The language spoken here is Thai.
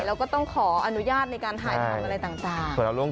แล้วก็ต้องขออนุญาตในการถ่ายทำอะไรต่าง